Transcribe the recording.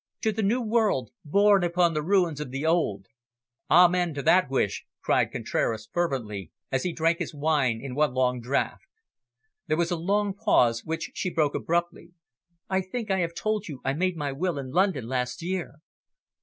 "To the new world, born upon the ruins of the old." "Amen to that wish!" cried Contraras fervently, as he drank his wine in one long draught. There was a long pause, which she broke abruptly. "I think I have told you I made my will in London last year."